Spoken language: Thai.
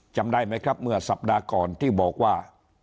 จำได้ไหมครับเมื่อสัปดาห์ก่อนที่บอกว่า